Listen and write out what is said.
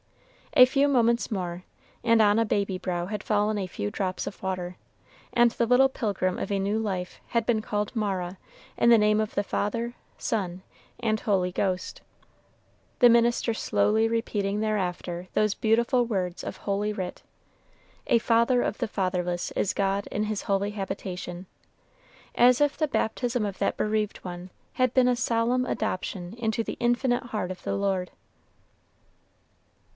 A few moments more, and on a baby brow had fallen a few drops of water, and the little pilgrim of a new life had been called Mara in the name of the Father, Son, and Holy Ghost, the minister slowly repeating thereafter those beautiful words of Holy Writ, "A father of the fatherless is God in his holy habitation," as if the baptism of that bereaved one had been a solemn adoption into the infinite heart of the Lord.